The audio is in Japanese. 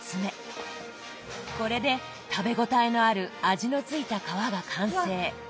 これで食べ応えのある味のついた皮が完成。